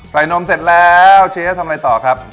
นมเสร็จแล้วเชฟทำอะไรต่อครับ